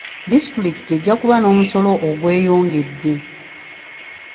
Disitulikiti ejja kuba n'omusolo ogweyongedde.